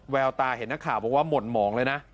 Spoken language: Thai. แววตาเห็นนักข่าวบอกว่าหม่นหมองเลยนะ